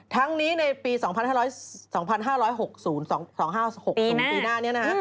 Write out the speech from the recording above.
ทั้งนี้ในปี๒๕๖๐๒๕๖ปีหน้านี้นะฮะ